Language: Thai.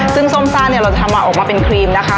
ซึ่งส้มซ่าเนี่ยเราจะทำออกมาเป็นครีมนะคะ